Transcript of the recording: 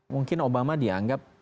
mungkin obama dianggap